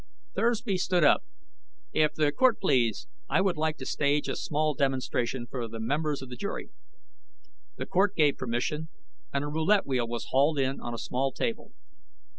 Thursby stood up. "If the Court please, I would like to stage a small demonstration for the members of the jury." The Court gave permission, and a roulette wheel was hauled in on a small table.